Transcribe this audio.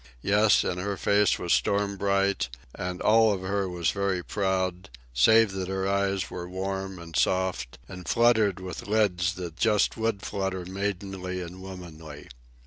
Yes, and her face was storm bright, and all of her was very proud, save that her eyes were warm and soft and fluttered with lids that just would flutter maidenly and womanly.